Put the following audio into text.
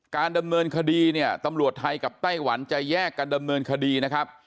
การดำเนินคดีเนี่ยตำรวจไทยกับไต้หวันจะแยกกันดำเนินคดีนะครับ